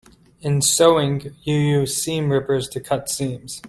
In sewing, you use seam rippers to cut seams.